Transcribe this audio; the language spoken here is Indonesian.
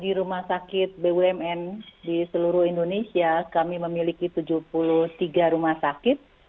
di rumah sakit bumn di seluruh indonesia kami memiliki tujuh puluh tiga rumah sakit